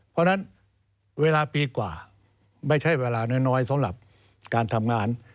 เพราะฉะนั้นเวลาปีกว่าไม่ใช่เวลาน้อยสำหรับการทำงาน